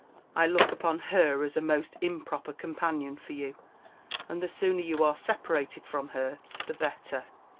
I look upon her as a most improper companion for you; and the sooner you are separated from her the better.